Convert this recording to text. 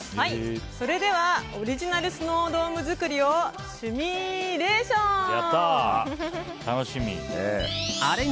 それではオリジナルスノードーム作りを趣味レーション！